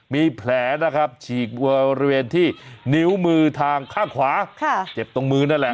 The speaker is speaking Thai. มีแผลนะครับฉีกบริเวณที่นิ้วมือทางข้างขวาเจ็บตรงมือนั่นแหละ